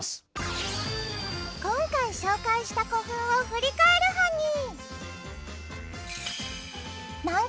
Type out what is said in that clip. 今回紹介した古墳を振り返るハニ。